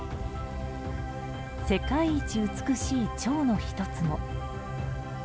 世界一美しいチョウの１つも。